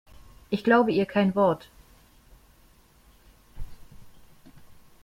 Ich glaube ihr kein Wort.